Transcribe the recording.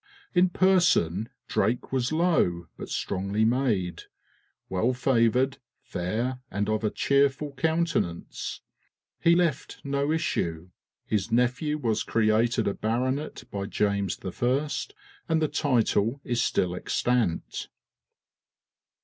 In person Drake was low, but strongly made, "well favoured, fayre, and of a cheerefull countenance." He left no issue: his nephew was created a baronet by James I., and the title is still extant.